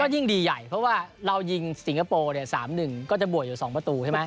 ยิ่งดีใหญ่เพราะว่าเรายิงสิงคโปร์เนี่ย๓๑ก็จะบวกอยู่๒ประตูใช่ไหม